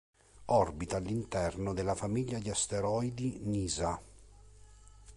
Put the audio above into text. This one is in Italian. Orbita all'interno della famiglia di asteroidi Nysa.